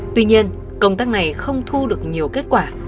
tuy nhiên công tác này không thu được nhiều kết quả